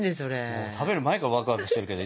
もう食べる前からワクワクしてるけど。